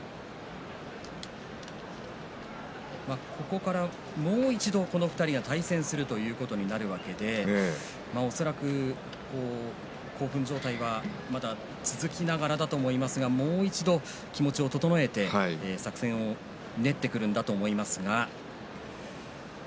ここから、もう一度この２人が対戦するというわけで恐らく興奮状態はまだ続きながらだと思いますがもう一度、気持ちを整えて作戦を練ってくるんだと思いますが。